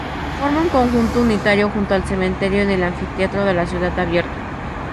Forma un conjunto unitario junto al Cementerio y el Anfiteatro de la Ciudad Abierta.